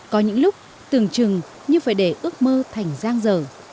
có những lúc tưởng chừng như phải để ước mơ thành giang dở